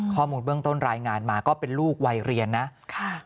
ข้อมูลเบื้องต้นรายงานมาก็เป็นลูกวัยเรียนนะค่ะ